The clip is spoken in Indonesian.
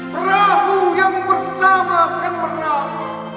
perahu yang bersamakan merah